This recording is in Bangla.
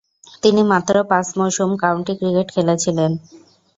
তিনি মাত্র পাঁচ মৌসুম কাউন্টি ক্রিকেটে খেলেছিলেন।